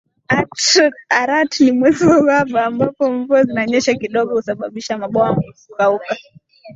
Arat ni Mwezi wa uhaba ambapo mvua zinanyesha kidogo husababisha mabwawa kukauka